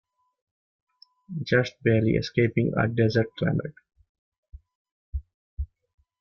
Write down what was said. Just barely escaping a desert climate.